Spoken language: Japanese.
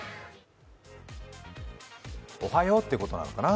おはようってことなのかな。